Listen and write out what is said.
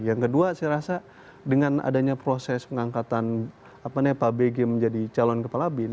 yang kedua saya rasa dengan adanya proses pengangkatan pak bg menjadi calon kepala bin